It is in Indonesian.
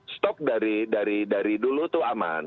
stok dari dulu itu aman